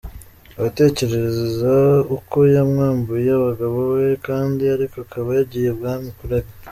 Abatekerereza uko yamwambuye umugabo we, kandi ariko akaba yagiye ibwami kurega.